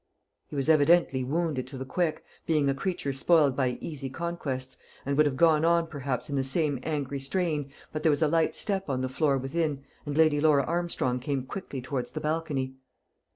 He was evidently wounded to the quick, being a creature spoiled by easy conquests, and would have gone on perhaps in the same angry strain, but there was a light step on the floor within, and Lady Laura Armstrong came quickly towards the balcony.